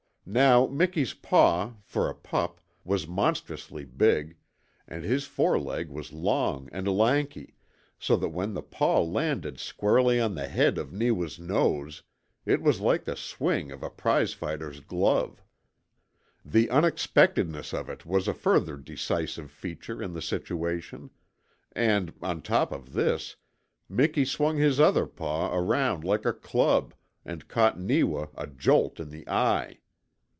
Now Miki's paw, for a pup, was monstrously big, and his foreleg was long and lanky, so that when the paw landed squarely on the end of Neewa's nose it was like the swing of a prize fighter's glove. The unexpectedness of it was a further decisive feature in the situation; and, on top of this, Miki swung his other paw around like a club and caught Neewa a jolt in the eye.